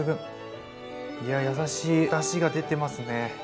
いや優しいだしが出てますね！